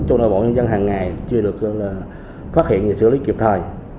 trong đó bọn nhân dân hàng ngày chưa được phát hiện và xử lý kịp thời